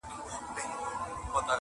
ډیري وژړېدې بوري د زلمیانو پر جنډیو!